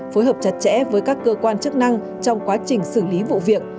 phối hợp chặt chẽ với các cơ quan chức năng trong quá trình xử lý vụ việc